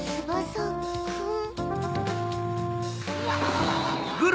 うん！